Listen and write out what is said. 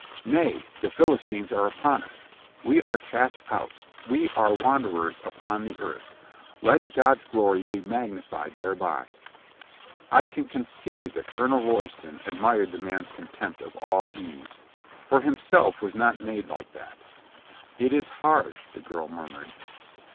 "Nay, the Philistines are upon us. We are cast out. We are wanderers upon the earth. Let God's glory be magnified thereby." I can conceive that Colonel Royston admired the man's contempt of all ease. For himself was not made like that. "It is hard," the girl murmured.